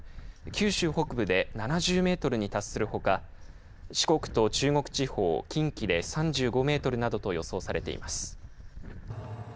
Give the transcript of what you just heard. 九州北部で７０メートルに達するほか四国と中国地方近畿で３５メートルなどと予想されています。